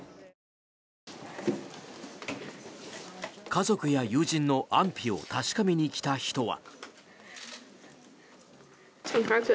家族や友人の安否を確かめに来た人は。